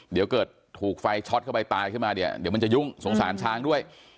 เดี๋ยวเกิดถูกไฟช็อตเข้าไปตายขึ้นมาเนี่ยเดี๋ยวมันจะยุ่งสงสารช้างด้วย